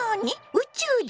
宇宙人？